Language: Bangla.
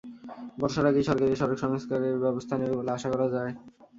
বর্ষার আগেই সরকার এ সড়ক সংস্কারে ব্যবস্থা নেবে বলে আশা করা যায়।